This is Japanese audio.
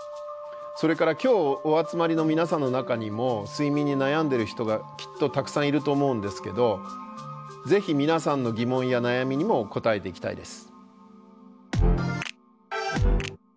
それから今日お集まりの皆さんの中にも睡眠に悩んでいる人がきっとたくさんいると思うんですけどぜひ皆さんの疑問や悩みにも答えていきたいです。